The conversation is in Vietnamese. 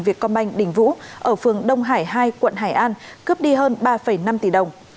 việt công banh đình vũ ở phường đông hải hai quận hải an cướp đi hơn ba năm tỷ đồng